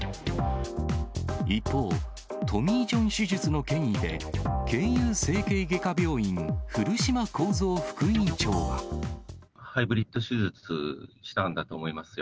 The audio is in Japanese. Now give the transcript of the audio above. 一方、トミー・ジョン手術の権威で、慶友整形外科病院、古島弘三副院ハイブリッド手術をしたんだと思いますよ。